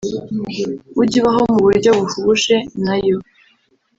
ujye ubaho mu buryo buhuje na yo